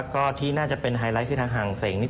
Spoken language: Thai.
ก็ที่น่าจะเป็นไฮไลท์คือทางห่างเสียงนิด